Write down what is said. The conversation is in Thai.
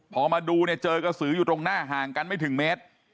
พอมาดูเนี่ยเจอกระสืออยู่ตรงหน้าห่างกันไม่ถึงเมตร